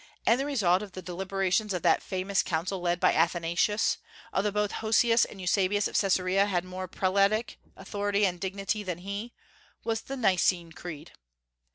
And the result of the deliberations of that famous council led by Athanasius, although both Hosius and Eusebius of Caesarea had more prelatic authority and dignity than he, was the Nicene Creed.